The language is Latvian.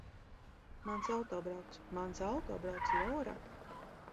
Mans auto brauc. Mans auto brauc, Lora!